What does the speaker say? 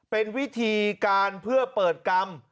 เป็นวิธีการเพื่อเปิดกรรม